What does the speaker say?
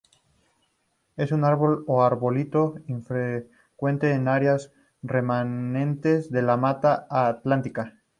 Es un árbol o arbolito, infrecuente en áreas remanentes de la mata Atlántica.